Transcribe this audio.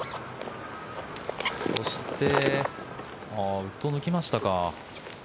そしてウッドを抜きましたか。